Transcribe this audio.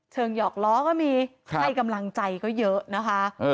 หยอกล้อก็มีให้กำลังใจก็เยอะนะคะ